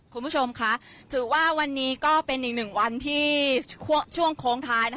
คุณผู้ชมค่ะถือว่าวันนี้ก็เป็นอีกหนึ่งวันที่ช่วงโค้งท้าย